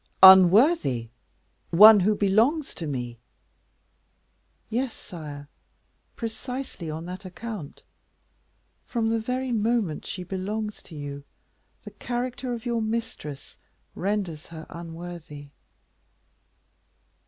"Unworthy! one who belongs to me?" "Yes, sire, precisely on that account; from the very moment she belongs to you, the character of your mistress renders her unworthy."